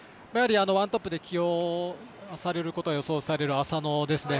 ワントップで起用されることが予想される浅野ですね。